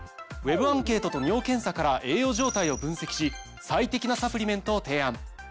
ＷＥＢアンケートと尿検査から栄養状態を分析し最適なサプリメントを提案。